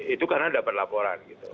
itu karena dapat laporan